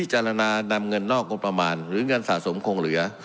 จารณานำเงินนอกงบประมาณหรือเงินสะสมคงเหลือ